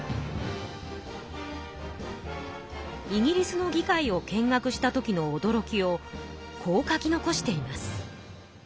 イギリスの議会を見学した時のおどろきをこう書き残しています。